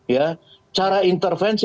ya cara intervensi